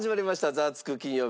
『ザワつく！金曜日』。